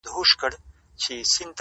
چوپ پاته كيږو نور زموږ خبره نه اوري څوك.